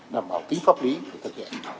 đảm bảo tính pháp lý và thực hiện